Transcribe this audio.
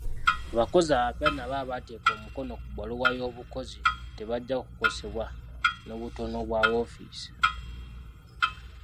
Abakozi abapya n'abo abaateeka omukono ku bbaluwa y'obukozi tebajja kukosebwa n'obutono bwa woofiisi.